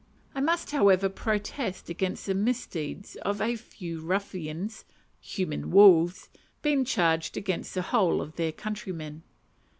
I must, however, protest against the misdeeds of a few ruffians human wolves being charged against the whole of their countrymen.